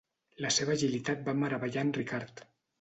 La seva agilitat va meravellar en Ricard.